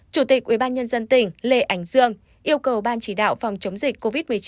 chủ tịch ubnd tỉnh lê ảnh dương yêu cầu ban chỉ đạo phòng chống dịch covid một mươi chín